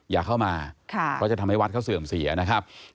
อย่าเข้ามาเพราะจะทำให้วัดเขาเสื่อมเสียนะครับ